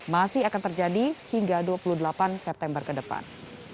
masih akan terjadi hingga dua puluh delapan september ke depan